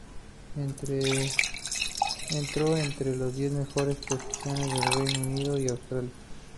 Entró entre las diez mejores posiciones en Reino Unido y en Australia.